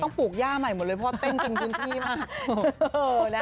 ต้องปลูกย่าใหม่หมดเลยเพราะเต้นเต็มพื้นที่มา